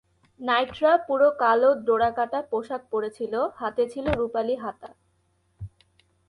নাইটরা পুরো কালো ডোরাকাটা পোশাক পরেছিল, হাতে ছিল রূপালী হাতা।